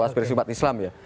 aspirasi umat islam ya